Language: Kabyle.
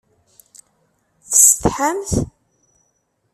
Tessetḥamt?